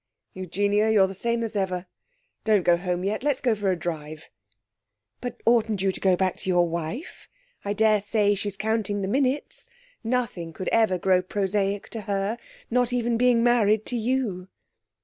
'Eugenia, you're the same as ever. Don't go home yet. Let's go for a drive.' 'But oughtn't you to go back to your wife? I daresay she's counting the minutes. Nothing could ever grow prosaic to her, not even being married to you.'